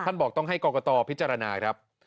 บอกต้องให้กรกตพิจารณาครับ